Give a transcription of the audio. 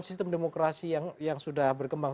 sistem demokrasi yang sudah berkembang